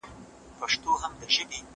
زه به سندري اورېدلي وي؟